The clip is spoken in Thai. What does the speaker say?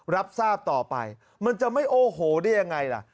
รับทราบต่อไปมันจะไม่โอ้โหได้ยังไงล่ะ